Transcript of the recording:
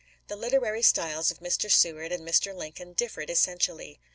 The literary styles of Mr. Seward and Mr. Lincoln differed essentially.